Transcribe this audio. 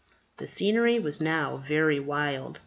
The scenery was now very wild.